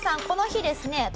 この日ですね